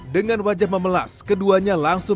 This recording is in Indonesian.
dengan wajah memelas keduanya langsung